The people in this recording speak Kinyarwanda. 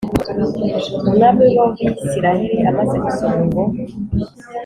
Umwami w Abisirayeli amaze gusoma urwo